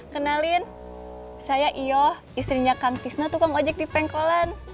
kenalin saya ioh istrinya kang tisna tukang ojek di pengkolan